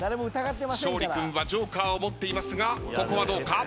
勝利君はジョーカーを持っていますがここはどうか？